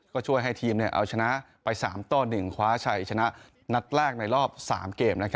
ก็ช่วยให้ทีมเอาชนะไป๓ต่อ๑คว้าชัยชนะนัดแรกในรอบ๓เกม